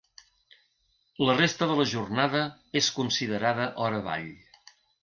La resta de la jornada és considerada hora vall.